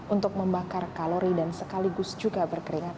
untuk membakar kalori dan sekaligus juga berkeringat